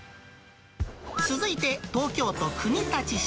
続いて、東京都国立市。